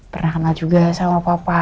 pernah kenal juga sama papa